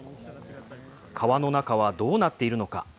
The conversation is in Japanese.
川の中はどうなっているのか。